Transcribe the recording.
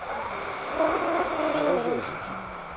おいしいおいしい。